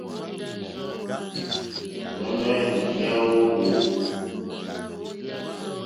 Hwámà njíyá ó hwò.